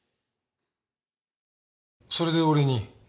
それで俺に？